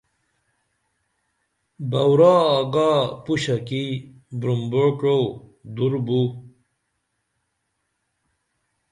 بورا آگا پُشہ کی بُرمبعوکو دُربُو